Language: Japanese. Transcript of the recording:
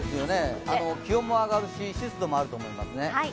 気温も上がるし湿度もあると思いますね。